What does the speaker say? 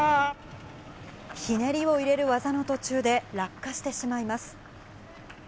ひねりを入れる技の途中で落下してしまいます。